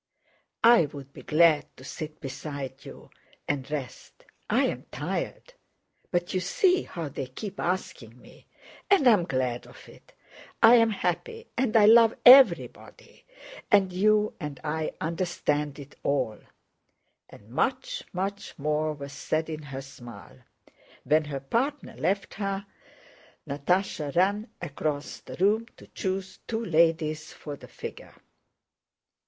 "I'd be glad to sit beside you and rest: I'm tired; but you see how they keep asking me, and I'm glad of it, I'm happy and I love everybody, and you and I understand it all," and much, much more was said in her smile. When her partner left her Natásha ran across the room to choose two ladies for the figure.